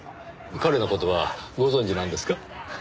彼の事はご存じなんですか？